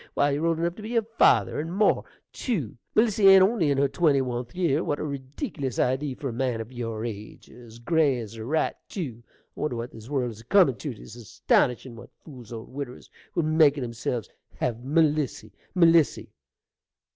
Why, you're old enough to be her father, and more, tew; Melissy ain't only in her twenty oneth year. What a reedickilous idee for a man o' your age! As gray as a rat, tew! I wonder what this world is a comin' tew: 'tis astonishin' what fools old widdiwers will make o' themselves! Have Melissy! Melissy!